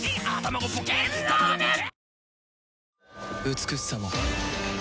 美しさも